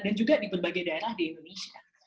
dan juga di berbagai daerah di indonesia